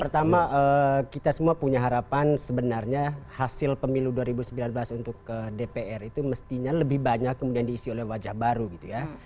pertama kita semua punya harapan sebenarnya hasil pemilu dua ribu sembilan belas untuk dpr itu mestinya lebih banyak kemudian diisi oleh wajah baru gitu ya